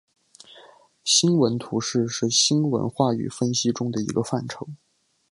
新闻图式是新闻话语分析中的一个范畴。